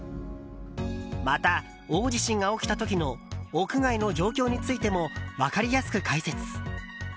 また、大地震が起きた時の屋外の状況についても分かりやすく解説。